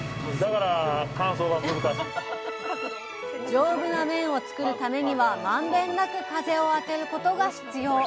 丈夫な麺を作るためにはまんべんなく風を当てることが必要。